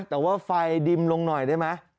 แต่ว่าไฟดิมลงหน่อยได้ไหม